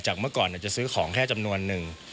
เมื่อก่อนจะซื้อของแค่จำนวนหนึ่ง